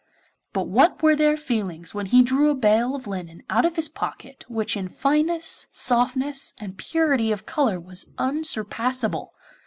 But what were their feelings when he drew a bale of linen out of his pocket which in fineness, softness, and purity of colour was unsurpassable!